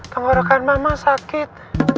tenggorokan mama sakit